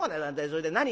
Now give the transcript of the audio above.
それで何？